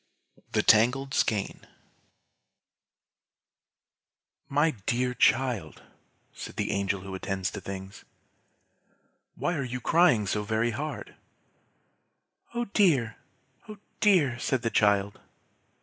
'" THE TANGLED SKEIN "My dear child," said the Angel who attends to things, "why are you crying so very hard?" "Oh dear! oh dear!" said the child.